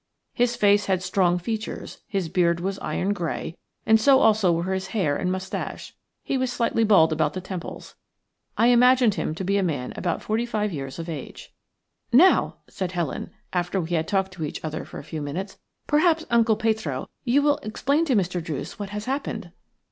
His face had strong features; his beard was iron grey, so also were his hair and moustache. He was slightly bald about the temples. I imagined him to be a man about forty five years of age. "Now," said Helen, after we had talked to each other for a few minutes, "perhaps, Uncle Petro, you will explain to Mr. Druce what has happened."